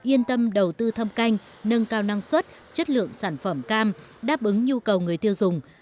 yên tâm đầu tư thâm canh nâng cao năng suất chất lượng sản phẩm cam đáp ứng nhu cầu người tiêu dùng